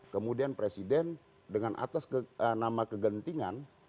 kemudian presiden dengan atas nama kegentingan